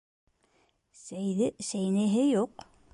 Сәйҙе сәйнәйһе юҡ.